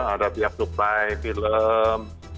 ada pihak supply film